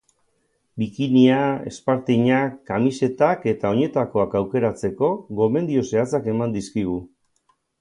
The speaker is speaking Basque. Bikinia, espartinak, kamisetak eta oinetakoak aukeratzeko gomendio zehatzak eman dizkigu.